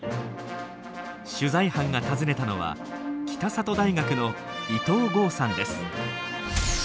取材班が訪ねたのは北里大学の伊藤剛さんです。